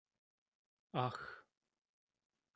Ach!